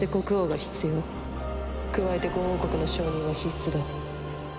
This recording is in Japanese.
加えて５王国の承認は必須だ。